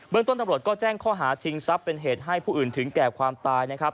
เมืองต้นตำรวจก็แจ้งข้อหาชิงทรัพย์เป็นเหตุให้ผู้อื่นถึงแก่ความตายนะครับ